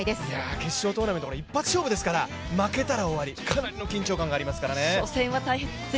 決勝トーナメント、一発勝負ですから、負けたら終わりかなりの緊張感がありますからね。